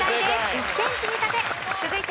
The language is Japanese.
１点積み立て。